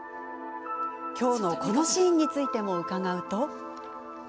今日のこのシーンについても伺うと。